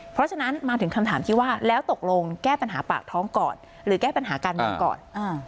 เพราะฉะนั้นมาถึงคำถามที่ว่าแล้วตกลงแก้ปัญหาปากท้องก่อนหรือแก้ปัญหาการเมืองก่อน